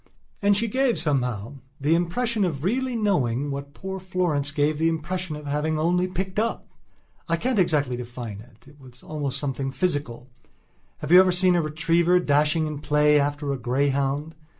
And she gave, somehow, the impression of really knowing what poor Florence gave the impression of having only picked up. I can't exactly define it. It was almost something physical. Have you ever seen a retriever dashing in play after a greyhound?